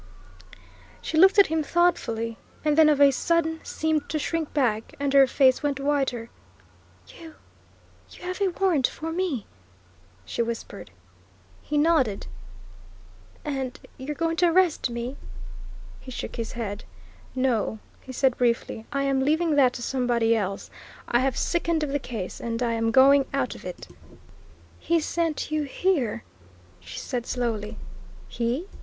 She looked at him thoughtfully, and then of a sudden seemed to shrink back, and her face went whiter. "You you have a warrant for me!" she whispered. He nodded. "And you're going to arrest me?" He shook his head. "No," he said briefly. "I am leaving that to somebody else. I have sickened of the case, and I'm going out of it." "He sent you here," she said slowly. "He?"